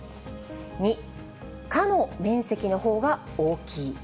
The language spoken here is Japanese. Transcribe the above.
２、かの面積のほうが大きい。